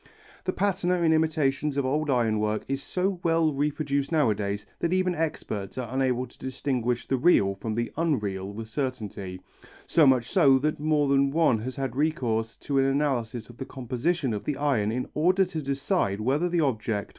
The patina in imitations of old iron work is so well reproduced nowadays that even experts are unable to distinguish the real from the unreal with certainty, so much so that more than one has had recourse to an analysis of the composition of the iron in order to decide whether the object were modern or antique.